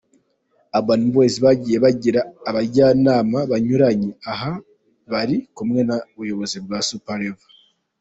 Urban Boyz bagiye bagira abajyanama banyuranye aha bari kumwe n'ubuyobozi bwa Super Level.